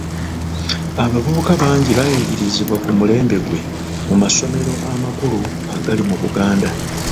Abavubuka bangi baayigirizibwa ku mulembe gwe mu masomero amakulu agali mu Buganda.